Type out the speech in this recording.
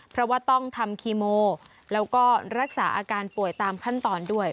เพราะว่าต้องทำคีโมแล้วก็รักษาอาการป่วยตามขั้นตอนด้วย